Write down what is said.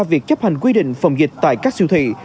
việc chấp hành quy định phòng dịch tại các siêu thị